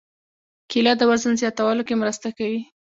کېله د وزن زیاتولو کې مرسته کوي.